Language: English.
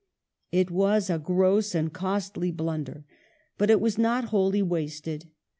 It was a gross and costly blunder, but it was not wholly wasted.